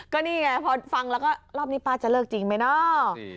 ก็นี่ไงพอฟังแล้วก็รอบนี้ป้าจะเลิกจริงไหมเนาะ